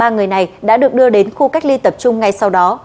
ba người này đã được đưa đến khu cách ly tập trung ngay sau đó